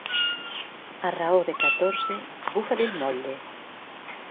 A raó de catorze, bufa-li el motlle.